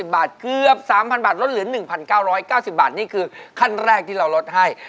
บาทเกือบ๓๐๐บาทลดเหลือ๑๙๙๐บาทนี่คือขั้นแรกที่เราลดให้